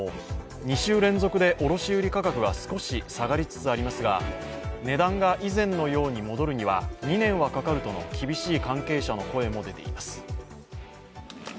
２週連続で卸売価格が少し下がりつつありますが値段が以前のように戻るには２年はかかるとの厳しい関係者の声も出ています。